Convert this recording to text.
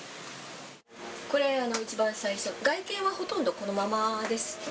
これ、一番最初、外見はほとんどこのままです。